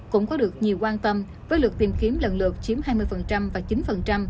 cũng có được nhiều quan tâm với lượt tìm kiếm lần lượt chiếm hai mươi và chín